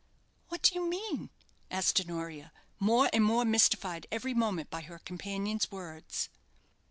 "What do you mean?" asked Honoria, more and more mystified every moment by her companion's words.